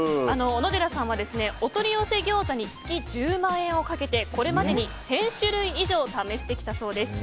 小野寺さんはお取り寄せギョーザに月１０万円をかけてこれまでに１０００種類以上試してきたそうです。